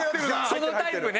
そのタイプね。